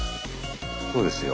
そうですよ。